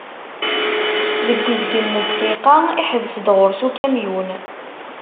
Deg uzgen n dqiqa, iḥbes-d ɣur-s ukamyun.